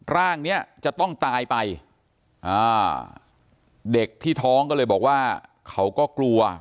ร่างเนี้ยจะต้องตายไปอ่าเด็กที่ท้องก็เลยบอกว่าเขาก็กลัว